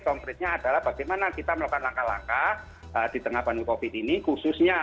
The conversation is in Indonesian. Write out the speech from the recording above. konkretnya adalah bagaimana kita melakukan langkah langkah di tengah pandemi covid ini khususnya